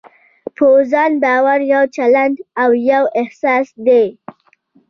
په ځان باور يو چلند او يو احساس دی.